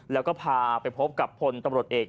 แล้วก็พาไปพบกับพลตำรวจเอก